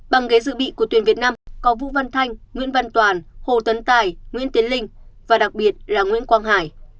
bằng ghế dự bị của tuyển việt nam có vũ văn thanh nguyễn văn toàn hồ tấn tài nguyễn tiến linh và đặc biệt là nguyễn quang hải